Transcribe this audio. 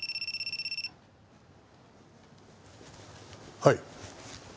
はい。